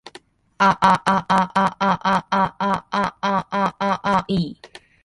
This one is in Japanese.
ああああああああああああああああい